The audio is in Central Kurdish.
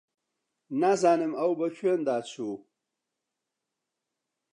نازانم ئەو بە کوێندا چوو.